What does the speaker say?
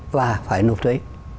và phải nộp thuế